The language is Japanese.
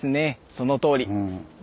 そのとおり。